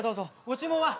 ご注文は？